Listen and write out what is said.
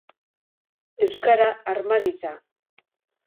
Euskara, arma gisa.